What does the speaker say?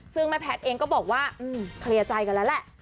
ซึ่งแม่แพทย์เองก็บอกว่าเคลียร์ใจกันแล้วแหละ